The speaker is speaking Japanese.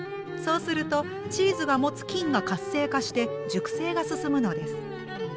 そうするとチーズが持つ菌が活性化して熟成が進むのです。